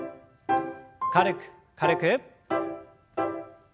軽く軽く。